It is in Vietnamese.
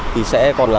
thì sẽ còn là